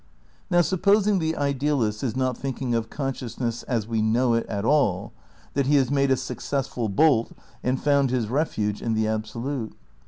Now supposing the idealist is not thinking of con sciousness as we know it at all; that he has made a successful bolt and found his refuge in the Absolute.